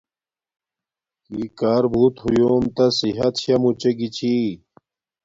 کی کار بوت ہویوم تا صحت شا موچے گی چھی